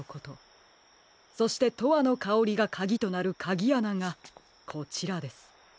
そして「とわのかおり」がかぎとなるかぎあながこちらです。